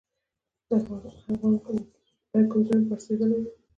ایا کوم ځای مو پړسیدلی دی؟